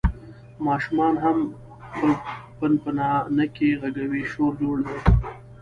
ماشومان هم پنپنانکي غږوي، شور جوړ دی.